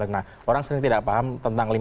nah orang sering tidak paham tentang lima w satu a itu